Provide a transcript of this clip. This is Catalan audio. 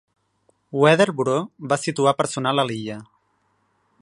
Weather Bureau va situar personal a l'illa.